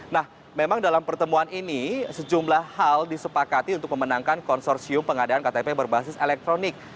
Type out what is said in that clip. nah memang dalam pertemuan ini sejumlah hal disepakati untuk memenangkan konsorsium pengadaan ktp berbasis elektronik